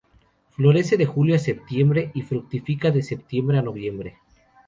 Florece de julio a septiembre y fructifica de septiembre a noviembre.